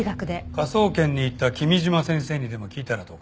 科捜研に行った君嶋先生にでも聞いたらどうかな？